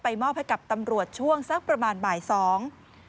มอบให้กับตำรวจช่วงสักประมาณบ่ายสอง